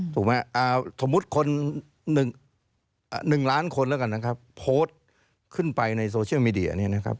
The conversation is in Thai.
ถมุดคน๑ล้านคนโพสต์ขึ้นไปในโซเชียลมีเดีย